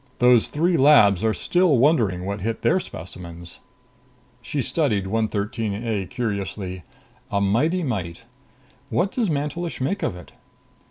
Those three labs are still wondering what hit their specimens." She studied 113 A curiously. "A mighty mite! What does Mantelish make of it?"